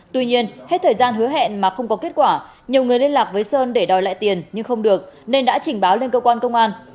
tuy nhiên hết thời gian hứa hẹn mà không có kết quả nhiều người liên lạc với sơn để đòi lại tiền nhưng không được nên đã trình báo lên cơ quan công an